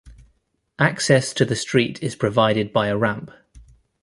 Access to the street is provided by a ramp.